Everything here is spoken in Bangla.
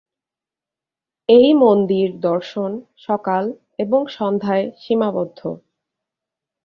এই মন্দির দর্শন সকাল এবং সন্ধ্যায় সীমাবদ্ধ।